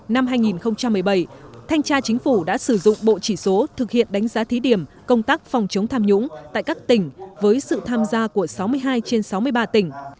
năm hai nghìn một mươi bảy thanh tra chính phủ đã sử dụng bộ chỉ số thực hiện đánh giá thí điểm công tác phòng chống tham nhũng tại các tỉnh với sự tham gia của sáu mươi hai trên sáu mươi ba tỉnh